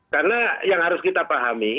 karena yang harus kita pahami